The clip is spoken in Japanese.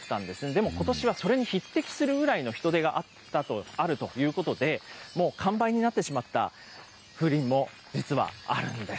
でもことしはそれに匹敵するぐらいの人出があるということで、もう、完売になってしまった風鈴も実はあるんです。